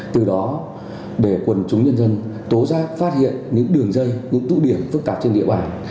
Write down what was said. từ đó để quần chúng nhân dân tố giác phát hiện những đường dây những tụ điểm phức tạp trên địa bàn